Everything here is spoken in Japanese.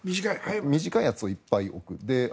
短いやつをいっぱい送る。